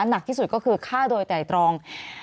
หนักที่สุดก็คือฆ่าโดยไตรตรอง